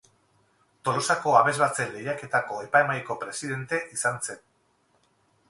Tolosako Abesbatzen Lehiaketako epaimahaiko presidente izan zen.